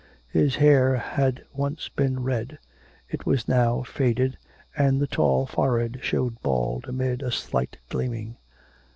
His hair had once been red; it was now faded, and the tall forehead showed bald amid a slight gleaning.